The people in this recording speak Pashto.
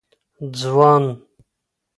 ځوان